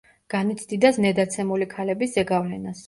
განიცდიდა ზნედაცემული ქალების ზეგავლენას.